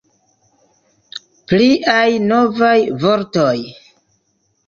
Pliaj novaj vortoj!